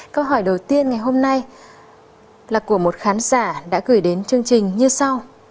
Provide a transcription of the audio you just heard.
câu hỏi đầu tiên ngày hôm nay là của một khán giả đã gửi đến chương trình như sau